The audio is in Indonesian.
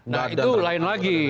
nah itu lain lagi